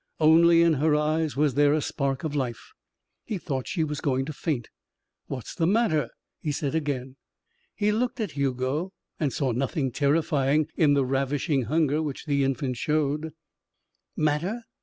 Only in her eyes was there a spark of life. He thought she was going to faint. "What's the matter?" he said again. He looked at Hugo and saw nothing terrifying in the ravishing hunger which the infant showed. "Matter!